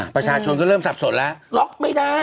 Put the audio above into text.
ประชาชนก็เริ่มสับสนแล้วล็อกไม่ได้